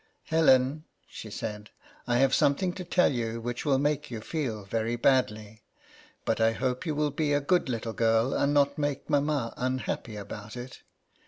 " Helen," she said, " I have something to tell you which will make you feel very badly ; but I hope you will be a good little girl, and not make mamma unhappy about it.